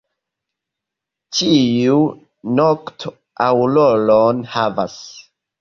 Ĉiu nokto aŭroron havas.